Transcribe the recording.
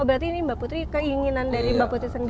berarti ini mbak putri keinginan dari mbak putri sendiri